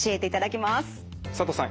佐藤さん